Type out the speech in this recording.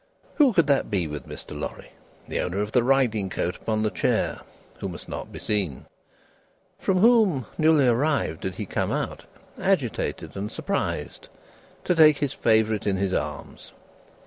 Who could that be with Mr. Lorry the owner of the riding coat upon the chair who must not be seen? From whom newly arrived, did he come out, agitated and surprised, to take his favourite in his arms?